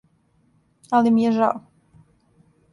Али ми је жао.